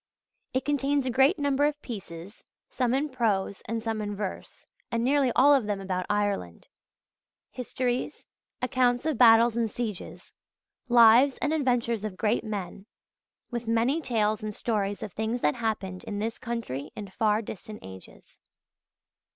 It contains a great number of pieces, some in prose and some in verse, and nearly all of them about Ireland: histories, accounts of battles and sieges, lives and adventures of great men, with many tales and stories of things that happened in this country in far distant ages.